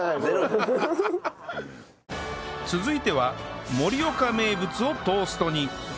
続いては盛岡名物をトーストに